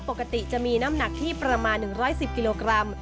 ปกติจะมีน้ำหนักที่ประมาณ๑๑๐กิโลกรัม